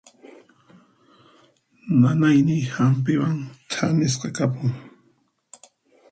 Nanayniy hampiwan thanisqa kapun.